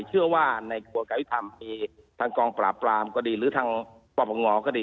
เชื่อว่าในกระบวนการยุทธรรมมีทางกองปราบปรามก็ดีหรือทางปรปงก็ดี